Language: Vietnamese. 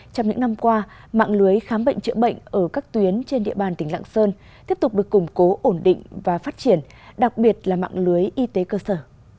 trong những năm qua mạng lưới khám bệnh chữa bệnh ở các tuyến trên địa bàn tỉnh lạng sơn tiếp tục được củng cố ổn định và phát triển đặc biệt là mạng lưới y tế cơ sở